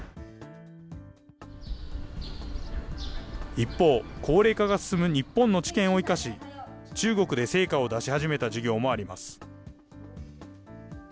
一方、高齢化が進む日本の知見を生かし、中国で成果を出し始めた事業もあります。